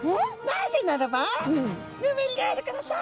「なぜならばヌメリがあるからさ」。